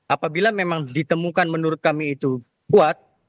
apabila memang ditemukan menurut kami itu kuat